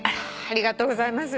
ありがとうございます。